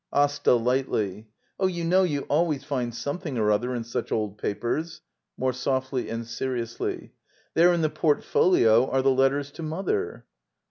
Asta. [Lightly.] Oh, you know you always find something or other in such old papers. [More softly and seriously.] There in the portfolio are the letters to mother.